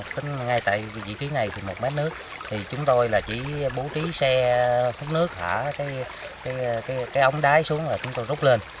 tính ngay tại vị trí này thì một mét nước thì chúng tôi là chỉ bố trí xe hút nước thả cái ống đáy xuống là chúng tôi rút lên